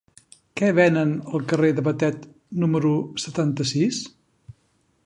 Què venen al carrer de Batet número setanta-sis?